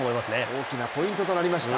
大きなポイントとなりました。